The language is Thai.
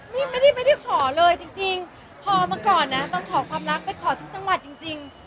นี่ไม่ได้ขอเลยจริงพอเมื่อก่อนนะต้องขอความรักไปขอทุกจังหวัดจริง